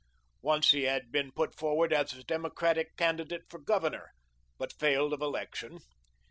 Once he had been put forward as the Democratic candidate for governor, but failed of election.